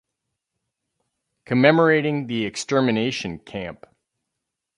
Commemorating the Extermination camp.